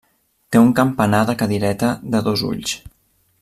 Té un campanar de cadireta de dos ulls.